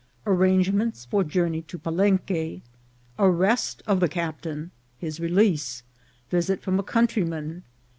— Arrangements for Journey to Palenque. — Arrest of the Captain. — His Release. — Visit from a Countryman.